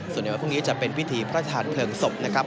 ส่วนใหญ่ว่าพรุ่งนี้จะเป็นพิธีพระอธิษฐานเผลิงศพนะครับ